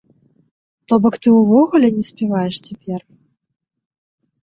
То бок ты ўвогуле не спяваеш цяпер?